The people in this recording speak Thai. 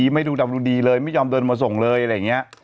ไม่ดูดำดูดีเลยไม่ยอมเดินมาส่งเลยอะไรอย่างนี้